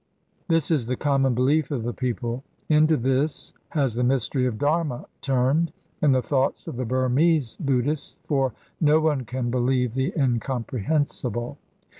This is the common belief of the people. Into this has the mystery of Dharma turned, in the thoughts of the Burmese Buddhists, for no one can believe the incomprehensible.